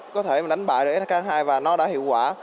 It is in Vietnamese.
có thể đánh bại sk h hai và nó đã hiệu quả